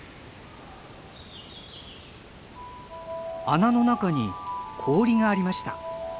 穴の中に氷がありました。